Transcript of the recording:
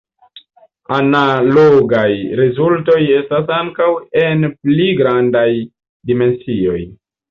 Analogaj rezultoj estas ankaŭ en pli grandaj dimensioj.